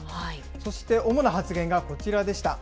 そして、主な発言がこちらでした。